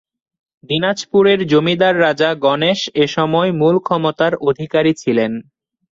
দিনাজপুরের জমিদার রাজা গণেশ এসময় মূল ক্ষমতার অধিকারী ছিলেন।